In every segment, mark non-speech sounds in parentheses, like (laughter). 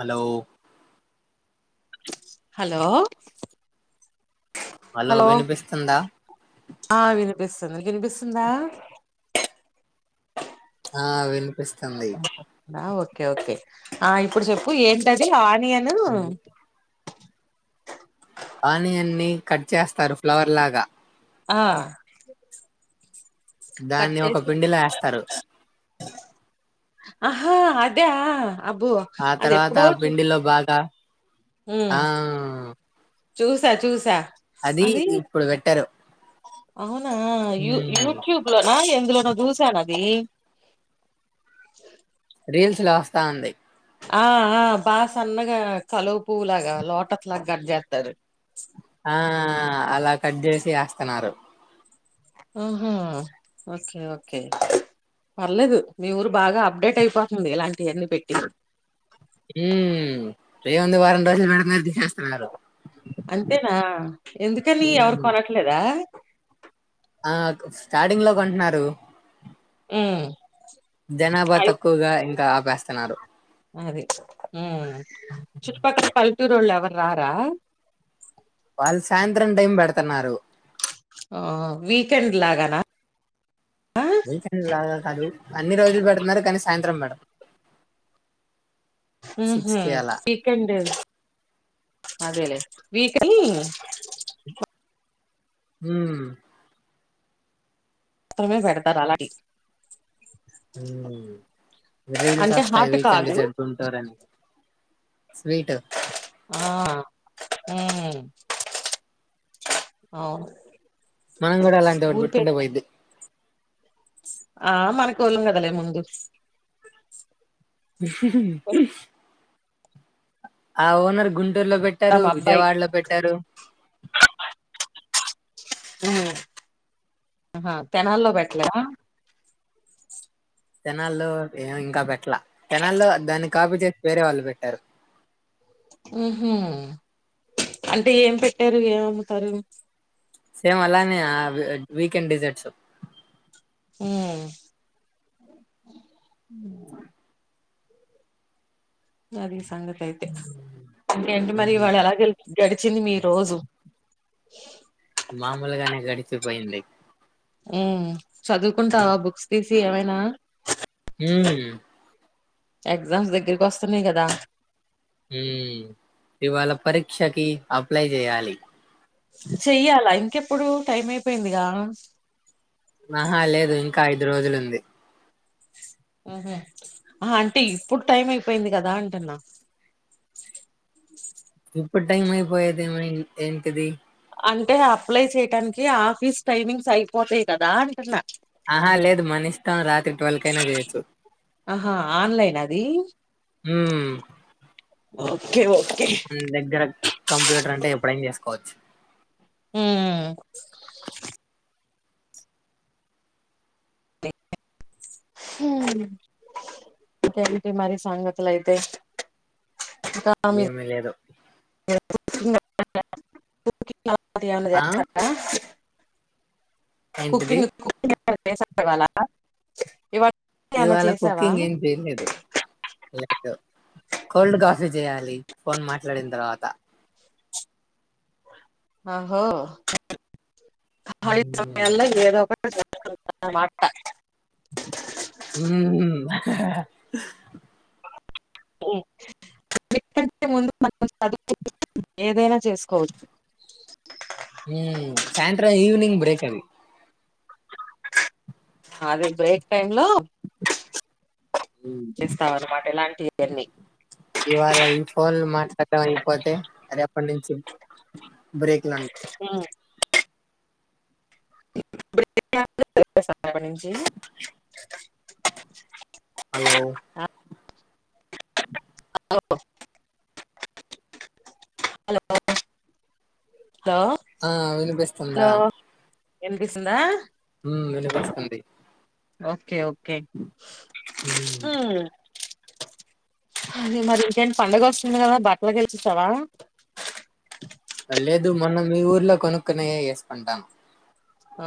Hello hello hello hello వినిపిస్తుందా పిస్తుంది నిక్ వినిపిస్తుందా ఆ వినిపిస్ ఓకే ఓకే ఆ ఇప్పుడు చెప్పు ఏంటది ఆ మీ అన్న గు ఆనియన్ ని కట్ చేస్తారు ఫ్లవర్ లాగా ఆ దాన్ని ఒక పిండిలో యాస్తారు హా అదా ఆ తర్వాత ఆ పిండిలో బాగా ఉమ్ ఆవ్ చూసా చూసా అది ఇప్పుడు పెట్టారు అవునా యూ మ్మ్ యూట్యూబ్ లోనా ఎన్ దులోనో చూశాన్ అది రీల్స్ లో వస్తా ఉంది ఆ ఆ బా సన్నగా కలువ పువ్వు లాగా లోటస్ లాగా గట్ చేేత్తారు ఆ అలా కట్ చేసి యాస్తన్నారు ఊహూ ఓకే ఓకే పర్లేదు మీ ఊరు బాగా అప్డేట్ అయిపోతుంది ఇలాంటివన్నీ పెట్టి ఊ ఏముంది వారం రోజలు పెడుతున్నారు తీసేస్ అంతేనా ఎందుకని ఎవరు మ్మ్ కొనట్లేదా ఆ క్ స్టార్టింగ్ లో కొంటున్నారు హ్మ్. జనాభా అయి తక్కువగా ఇంకా వ్యస్తున్నారు అది మ్ పుత్తూరు వాళ్లు ఎవరు రారా వాళ్ళు సాయంత్రం టైం పెడుతున్నారు ఆ వీకెండ్ లాగానా వీకెండ్ లాగా కాదు అన్ని రోజులు పెడుతున్నారు కానీ సాయంత్రం పెడతా సిక్స్ కి ఉహుమ్ అలా వీకెండ్ అదేలే విక్ అని హమ్ మాత్రమే పెడతారు అలాంటి ఉమ్ రీల్స్ అంటే వస్తాయి హాట్ వీకెండ్ కాదు. చెడుంటారని స్వీట్ ఆ ము ఆ మనం కూడా అలాంటిది ఒకటి పెట్టుకుంటే పోయింది ఆ మన కోళం కదలే ముందు (inaudible) ఆ ఓనర్ గుం గుంటూరు లో ఆ! పెట్టారు మా అబ్బాయికి. విజయవాడలో పెట్టారు ఉమ్ ఆహా తెనాల్లో పెట్టాల తెనాల్లో ఏం ఇంకా పెట్టలా తెనాల్లో దాన్ని కాపీ చేసి వేరే వాళ్ళు పెట్టారు ఉహుమ్ అంటే ఏం పెట్టారు ఏం అమ్ముతారు సేమ్ అలానే వీకెండ్ డిజర్ట్స్ అమ్ అమ్ జరీఫ్ సంగతి అయితే ఇంతకీ ఏంటి మరి ఇవాళ్ళ ఎలా జరిగింది గడిచింది మీ రోజు మామూలుగానే గడిచిపోయింది ఆమ్ చదువుకుంటావా బుక్స్ తీసి ఏమైనా హమ్ ఎగ్జామ్స్ దగ్గరికి వస్తున్నాయి కదా ఉమ్ ఇవాళ పరీక్షకి అప్లై చేయాలి చెయ్యాలా ఇంకెప్పుడు టైం అయిపోయిందిగా ఆహా లేదు ఇంకా ఐదు రోజులు ఉంది ఆహ ఆ అంటే ఇప్పుడు టైం అయిపోయింది కదా అంటున్నా ఇప్పుడు టైం అయిపోయేది ఏమని ఎంటది అంటే అప్లై చేయడానికి ఆఫీస్ టైమింగ్స్ అయిపోతాయి కదా అంటున్నా ఆహా లేదు మని ఇష్టాం రాత్రి ట్వల్ కైనా చేయొచ్చు ఆహా ఆన్లైన్ అది హమ్ ఓకే మరి మన దగ్గర కంప్యూటర్ అంటే ఎప్పుడైనా చేసుకోవచ్చు హమ్ ఇంకా ఏంటి మరి సంగతులు అయితే ఇంకా మీరు గేమ్ ఏ లేదు (inaudible) ఆ (unintelligible) ఏంటిది కుకింగ్ (unintelligible) (unintelligible) ఏమన్నా ఇవాళ చేసావా కుకింగ్ ఏం చేయలేదు లేదు కోల్డ్ కాఫీ చేయాలి ఫోన్ మాట్లాడిన తర్వాత ఆహో (unintelligible) మ్మ్. (unintelligible) మాత మ్మ్. ఎకంటే (unintelligible) ముందు మనం చదు ఏదైనా చేసుకోవచ్చు హ్మ్ సాయంత్రం ఈవెనింగ్ బ్రేక్ అది అదే బ్రేక్ టైమ్ లో చేస్తాం అనమాట ఇలాంటివన్నీ ఇవాళ ఈ ఫోన్లు మాట్లాడటం అయిపోతే రేపటి నుంచి బ్రేక్లు ఉన్నా రేపటి నుంచి హలో ఓ (unintelligible) హలో ఆ వినిపిస్తుందా హలో వినిపిస్తుందా హ్మ్ వినిపిస్తుంది ఓకే ఓ ఒకే హ్మ్ అది మరి ఇకేంటి పండగ వస్తుంది కదా బట్టలకి వెళ్ళి వచ్చేస్తావా లేదు మొన్న మీ ఊర్లో కొనుక్కునయే వేసుకుంటాను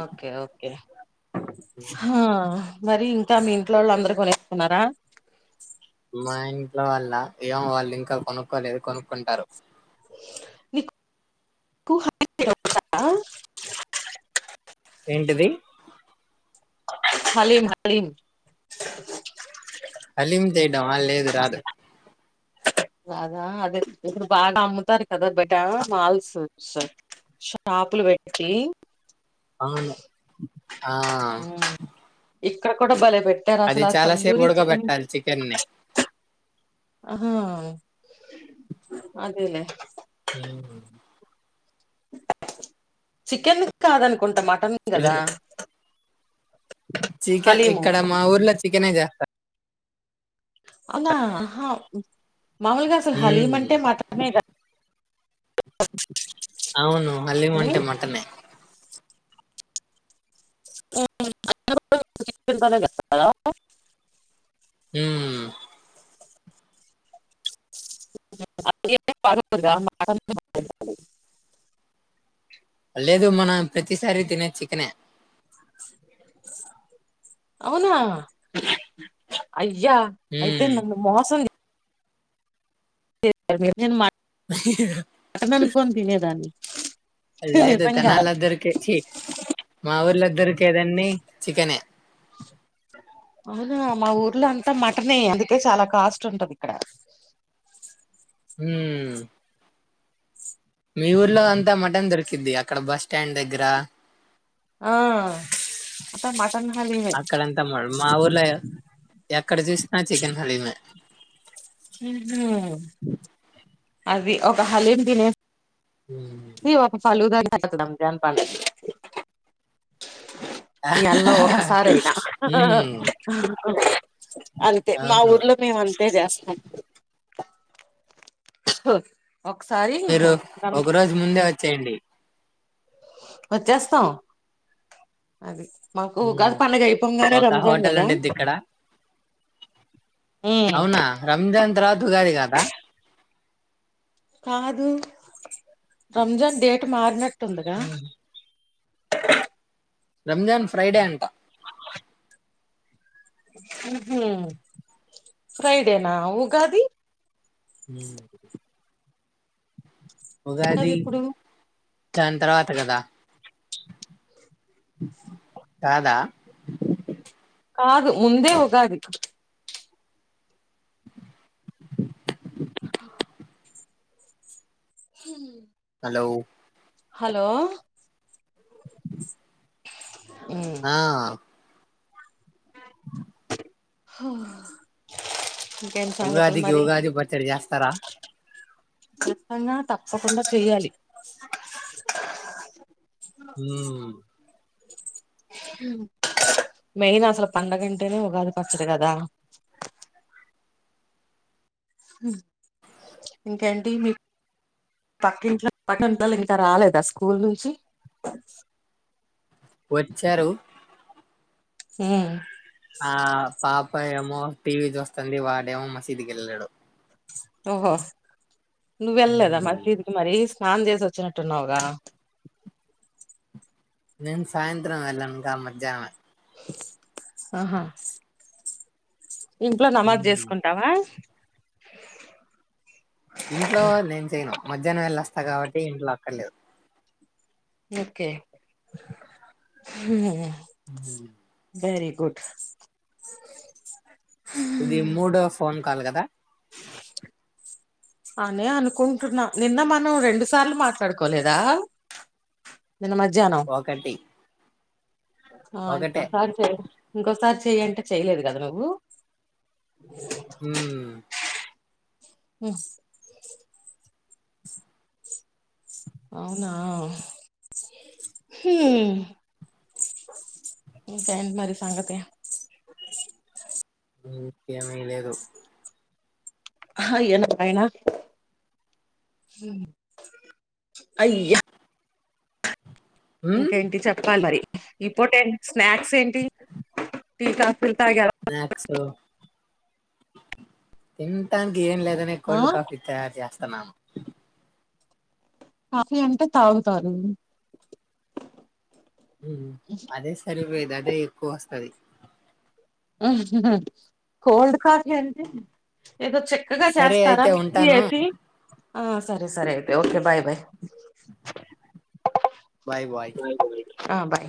ఓకే ఓకే హా మరి ఇంకా మీ ఇంట్లో వాళ్ళు అందరు కోనేసుకున్నారా మా ఇంట్లో వాళ్ల ఏమో వాళ్ళు ఇంకా కొనుక్కోలేదు కొనుక్కుంటారు నీకు (unintelligible) ఏంటిది హలీం హలీం హలీం చేయడమా లేదు రాదు రాదా అదే ఇప్పుడు బాగా అమ్ముతారు కదా బయట మాల్స్ షషాపులు పెట్టి అవును ఆ ఇక్కడ కూడా బాలేదు అది చాలాసేపు ఉడకబెట్టాలి చికెన్ని ఒహో అదేలే దేనిని చికెన్ కాదనుకుంటా మట టన్ కదా చీకెన్ హలీము ఇక్కడ మా ఊర్లో చి చికనే చేస్తార్ అవునా అహ మామూలుగా అసలు హలీం మ్మ్. అంటే మటనే కద అవును హలీం అంటే మటనే ఊ అయిన కూడా (unintelligible) కదా ఊ అది బాగుండదు కదా మటనే బావుంటుంది. లేదు మన ప్రతి స సారీ తినేది చికెనే. అవునా అయ అయ్య అయితే మ్మ్. నన్ను మోసం చే సారు మీరు నేన్ మటన్ మటన్ అనుకని తినేదాన్ని లేదు నిజంగా తినాలద్ధరికి చీ మాఊర్లో ఇద్దరు కేదన్నీ చికనే అవునా మా ఊర్లో అంతా మటనే అందుకే చాలా కాస్ట్ ఉంటది ఇక్కడ ఊ మీ ఊర్లో అంతా మటన్ దొరికిద్ది అక్కడ బస్స్టాండ్ దగ్గర ఆ అంత మట అక్కడంతా మరి మా ఊర్లో ఎక్కడజూసీన చికెన్ హలీమే. ఊహు అది ఒక హలీం తినే ఇవొక ఫాలుదా రంజాన్ పండగ నెలలో ఒక్కసారయినా ఉమ్ అంతే మా అవును ఊర్లో మేము అంతే చేస్తాం. హఓ ఒకసారి మీరు ఒక రోజు ముందే వచ్చేయండి. వచ్చేస్తాం అది మాకు ఉమ్ ఉగాది పండగ అయిపోంగానే ఒక రంజాన్ హోటల్ కదా ఉండిద్ది ఇక్కడ ఊ అవునా రంజాన్ తర్వాత ఉగాది కాదా కాదు రంజాన్ డేట్ మారినట్టు ఉందిగా రంజాన్ ఫ్రైడే అంటా హుమ్ హు ఫ్రైడేనా ఉగాది హుమ్ ఉగాది దాని తర్వాత గదా కాదా కాదు ముందే ఉగాది అ హుమ్ లౌ హలో ఆ హో ఉగాదికి ఉగాది పచ్చడి చేస్తరా ఖచ్చితంగా తప్పకుండా చెయ్యాలి ఊ మెయిన్ అసలు పండగంటేనే ఉగాది పచ్చడి కదా ఊ ఇంకేంటి మీ పక్కింట్లో (inaudible) ఇంకా రాలేదా స్కూల్ నుంచి వచ్చారు ఊ ఆ పాప యమ్ మో టీ వీ చూస్తంది వాడేమో మసీదుకెళ్ళాడు ఓహో నువ్వెల్లలేదా మసీద్ కి మరి స్నానం చేసి వచ్చినట్టున్నావుగా నేను సాయంత్రం వెళ్ళనుగా మజ్జానమే ఆహా ఇంట్లో నమాజ్ చేసుకుంటావా ఇంట్లో నేను చెయ్యను మధ్యాహ్నం వెళ్ళ వస్తా కాబట్టి ఇంట్లో అక్కర్లేదు ఓకే మ్ వెరి గుడ్ ఇది మూడో ఫోన్ కాలి కదా అనే అనుకుంటున్నాం నిన్న మనం రెండు సార్లు మాట్లాడుకోలేదా నిన్న మధ్యాహ్నం ఒకటి ఒకటే ఇంకాసారి చే ఇంకాసారి చెయంటే చెయలేదు కదా నువ్వు హు ఉహూ అవున హు ఇంకేంటిమరి సంగతి ఇంకేం లేదు అయ్య నారాయణ హు అయ్యా మ్మ్. ఇంకేంటి చెప్పాలి మరి ఈ పూట ఏంటి స్నాక్స్ ఏంటి టీ కాఫీ స్నాక్స్ తింటా ఏం లేదనే ఆ కోల్డ్ కాఫి తయారు చేస్తూ చేతన కాఫీ అంటే తాగుతారు అదే సరిపోయది అదే ఎక్కువ వస్తది కోల్డ్ కాఫీ ఏదో చక్కగా సరే చేస్తారా అయితే మిక్సీ ఉంటాను ఎసి ఆ సరే సరే అయితే okay bye bye bye bye ఆ బాయ్